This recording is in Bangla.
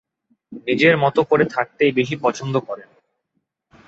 নিজের মতো করে থাকতেই বেশি পছন্দ করেন।